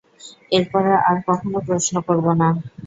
এর পরে, আর কখনো প্রশ্ন করব না।